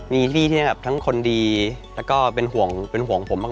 มีพี่ที่ทั้งคนดีแล้วก็เป็นห่วงผมมาก